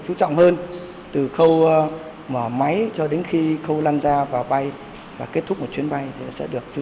chú trọng hơn từ khâu mở máy cho đến khi khâu lan ra vào bay và kết thúc một chuyến bay sẽ được chú